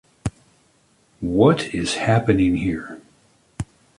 What is happening here?